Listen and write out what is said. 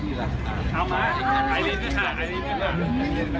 วันนี้จะดึมชวนลุงเดือมหรือจะแข็งกันดื่มหรือยังไงคะ